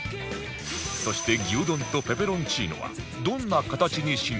そして牛丼とペペロンチーノはどんな形に進化しているのか？